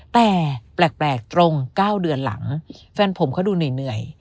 แต่แปลกตรง๙เดือนหลังแฟนผมเขาดูเหนื่อย